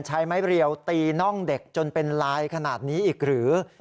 ใช้ไม้เรียวตีน่องเด็กจนเป็นลายขนาดนี้อีกหรือ